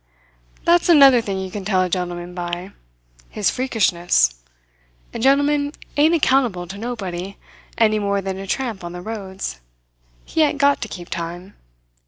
"That's another thing you can tell a gentleman by his freakishness. A gentleman ain't accountable to nobody, any more than a tramp on the roads. He ain't got to keep time.